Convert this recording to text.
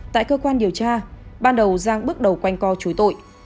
tại cơ quan điều tra ban đầu giang bước đầu quanh co chối tội